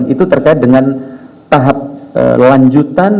itu terkait dengan tahap lanjutan